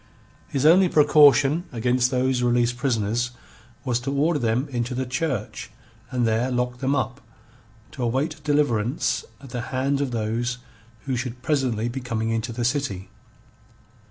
His only precaution against those released prisoners was to order them into the church and there lock them up, to await deliverance at the hands of those who should presently be coming into the city.